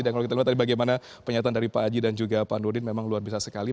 dan kalau kita lihat tadi bagaimana penyertaan dari pak aji dan juga pak nudin memang luar biasa sekali